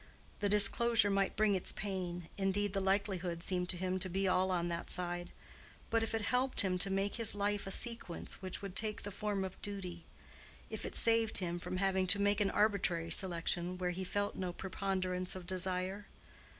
The disclosure might bring its pain, indeed the likelihood seemed to him to be all on that side; but if it helped him to make his life a sequence which would take the form of duty—if it saved him from having to make an arbitrary selection where he felt no preponderance of desire?